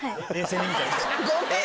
ごめん！